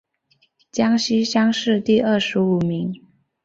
江西乡试第二十五名。